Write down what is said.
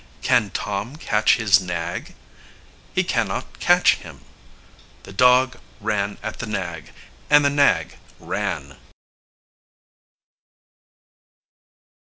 Can Tom catch his nag? He can not catch him. The dog ran at the nag, and the nag ran.